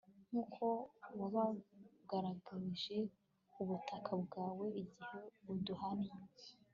nk'uko wabagaragarije ubutabera bwawe igihe uduhannye